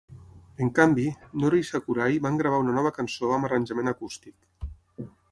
En canvi, Noro i Sakurai van gravar una nova cançó amb arranjament acústic.